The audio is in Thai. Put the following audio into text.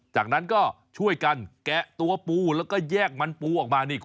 จากนั้นก็ช่วยกันแกะตัวปูแล้วก็แยกมันปูออกมานี่